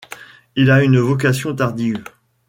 Il a une vocation tardive.